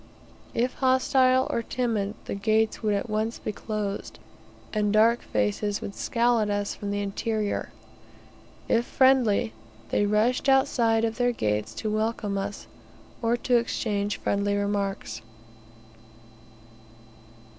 If hostile, or timid, the gates would at once be closed, and dark faces would scowl at us from the interior; if friendly, they rushed outside of their gates to welcome us, or to exchange friendly remarks.